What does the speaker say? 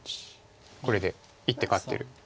これで１手勝ってる。